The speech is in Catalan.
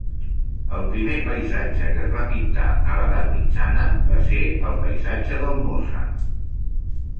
El primer paisatge que es va pintar a l'Edat Mitjana va ser el paisatge del Mosa.